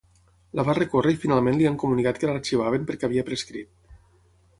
La va recórrer i finalment li han comunicat que l’arxivaven perquè havia prescrit.